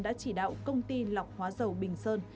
đã chỉ đạo công ty lọc hóa dầu bình sơn